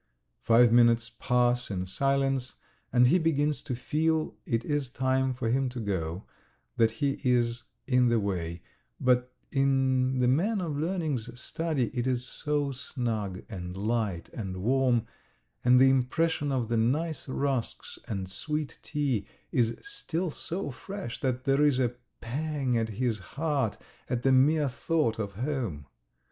Five minutes pass in silence, and he begins to feel it is time for him to go, that he is in the way; but in the man of learning's study it is so snug and light and warm, and the impression of the nice rusks and sweet tea is still so fresh that there is a pang at his heart at the mere thought of home.